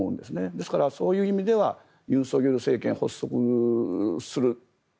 ですから、そういう意味では尹錫悦政権発足する。